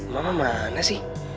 mama mana sih